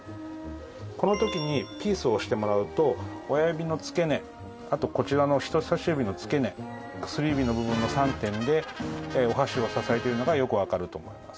この時にピースをしてもらうと親指の付け根あとこちらの人さし指の付け根薬指の部分の３点でお箸を支えているのがよくわかると思います。